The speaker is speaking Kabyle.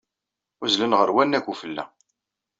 Uzzlen ɣer wannag n ufella.